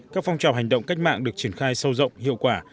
các phong trào hành động cách mạng được triển khai sâu rộng hiệu quả